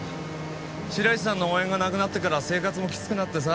白石さんの応援がなくなってからは生活もきつくなってさ。